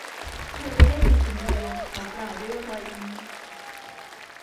เธอไม่ได้อยู่คนเดียว เขากล่าวด้วยรอยยิ้ม